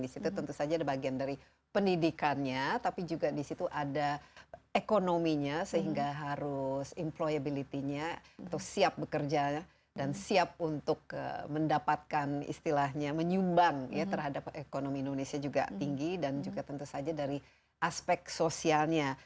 di situ tentu saja ada bagian dari pendidikannya tapi juga di situ ada ekonominya sehingga harus improyability nya untuk siap bekerja dan siap untuk mendapatkan istilahnya menyumbang ya terhadap ekonomi indonesia juga tinggi dan juga tentu saja dari aspek sosialnya